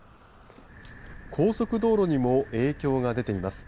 高速道路にも影響が出ています。